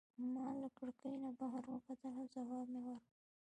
ما له کړکۍ نه بهر وکتل او ځواب مي ورکړ.